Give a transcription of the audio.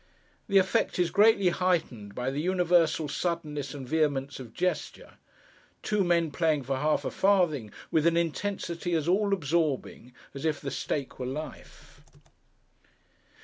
The effect is greatly heightened by the universal suddenness and vehemence of gesture; two men playing for half a farthing with an intensity as all absorbing as if the stake were life.